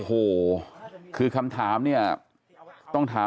เมื่อยครับเมื่อยครับ